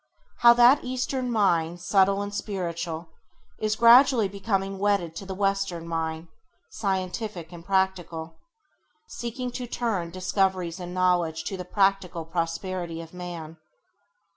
How that eastern mind, subtle and spiritual, is gradually becoming wedded to the western mind, scientific and practical, seeking to turn discoveries and knowledge to the practical prosperity of man.